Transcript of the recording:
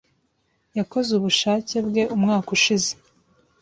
Yakoze ubushake bwe umwaka ushize.